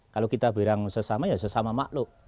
kalau kita bilang sesama ya sesama makhluk